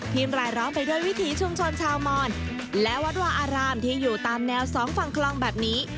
รายล้อมไปด้วยวิถีชุมชนชาวมอนและวัดวาอารามที่อยู่ตามแนวสองฝั่งคลองแบบนี้